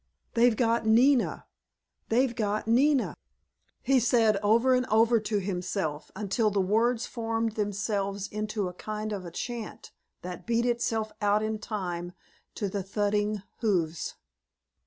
"They've got Nina! They've got Nina!" he said over and over to himself until the words formed themselves into a kind of a chant that beat itself out in time to the thudding hoofs.